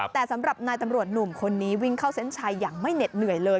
แต่สำหรับนายตำรวจหนุ่มคนนี้วิ่งเข้าเส้นชัยอย่างไม่เหน็ดเหนื่อยเลย